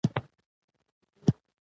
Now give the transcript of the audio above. په اړه د ناڅرګندتیا سره متوازن کړه.